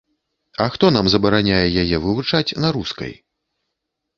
А хто нам забараняе яе вывучаць на рускай?